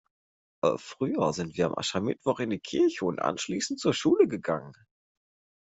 Früher sind wir an Aschermittwoch in die Kirche und anschließend zur Schule gegangen.